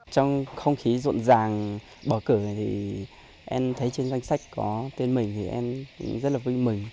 trong không khí ruộng ràng bầu cử này thì em thấy trên danh sách có tên mình thì em rất là vinh minh